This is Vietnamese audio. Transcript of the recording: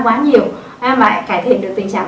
quá nhiều và cải thiện được tình trạng